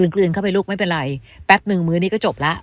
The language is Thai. กลืนเข้าไปลูกไม่เป็นไรแป๊บนึงมื้อนี้ก็จบแล้ว